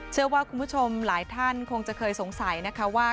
เชื่อว่าคุณผู้ชมหลายท่านคงจะเคยสงสัยนะคะว่า